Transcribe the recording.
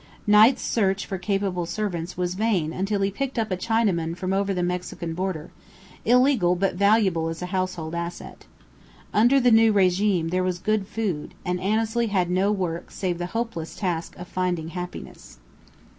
Knight's search for capable servants was vain until he picked up a Chinaman from over the Mexican border, illegal but valuable as a household asset. Under the new régime there was good food, and Annesley had no work save the hopeless task of finding happiness.